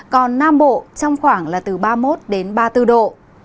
còn nam bộ trong khoảng là từ ba mươi một đến ba mươi bốn độ